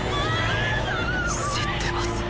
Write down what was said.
知ってます。